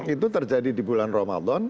itu terjadi di bulan ramadan